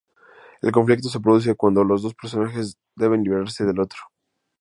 El conflicto se produce cuando los dos personajes deben librarse del otro.